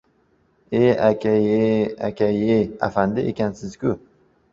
— E, aka-ye, aka-ye! Afandi ekansiz-ku!